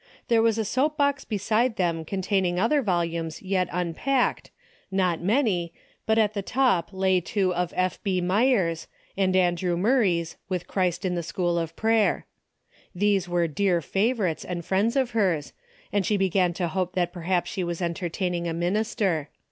There was a soap box beside them containing other volumes yet unpacked, not many, but at the top lay two of F. B. Meyer's, and An drew Murray's "With Christ in the School of Prayer." These were dear favorites and friends of hers, and she began to hope that perhaps she was entertaining a minister.